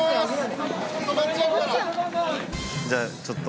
じゃあちょっと。